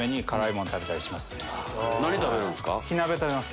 何食べるんですか？